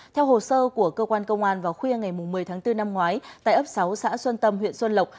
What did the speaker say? theo hồ sơ của cơ quan công an vào khuya ngày một mươi tháng bốn năm ngoái tại ấp sáu xã xuân tâm huyện xuân lộc